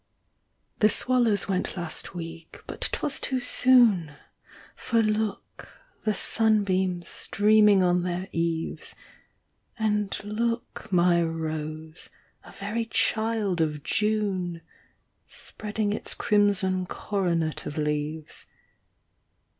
The swallows went last week, but 'twas too soon ; For, look, the sunbeams streaming on their eaves; And, look, my rose, a very child of June, Spreading its crimson coronet of leaves.